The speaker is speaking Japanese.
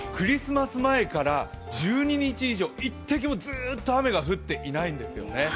クリスマス前から１２日以上、１滴もずっと雨が降ってないんですね。